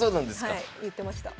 はい言ってました。